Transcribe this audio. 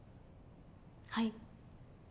はい。